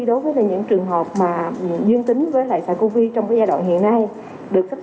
tại nhà trong những trường hợp mà duyên tính với lại xã covid trong giai đoạn hiện nay được sắp